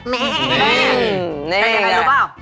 ใช้มากันดูเปล่า